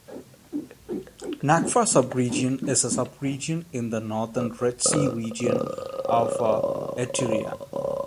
Nakfa Subregion is a subregion in the Northern Red Sea Region of Eritrea.